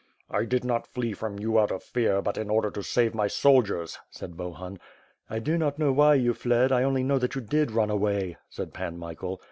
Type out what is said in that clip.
"I did not flee from you out of fear, but in order to save my soldiers/' said Bohun. "I do not know why you fled, I only know that you did run away," said Pan Michael.